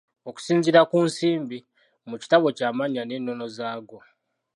Okusinziira ku Nsimbi, mu kitabo kye amannya n'ennono zaago.